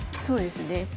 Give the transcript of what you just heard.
そうですね。